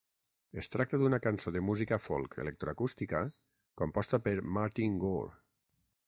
Es tracta d'una cançó de música folk electroacústica composta per Martin Gore.